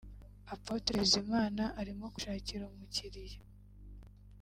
Apotre Bizimana arimo kubishakira umukiriya